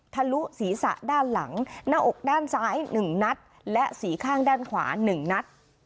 ทะลุศีรษะด้านหลังหน้าอกด้านซ้าย๑นัดและสีข้างด้านขวา๑นัด